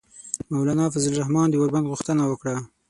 مولانا فضل الرحمان د اوربند غوښتنه وکړه.